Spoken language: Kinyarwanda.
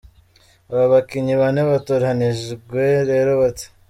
Aba bakinnyi bane batoranijwe rero bate ?.